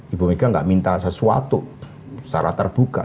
ibu mega nggak minta sesuatu secara terbuka